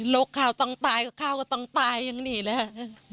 โรคข้าวต้องตายก็ข้าวก็ต้องตายอย่างนี้แหละ